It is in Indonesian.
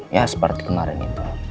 ya seperti kemarin itu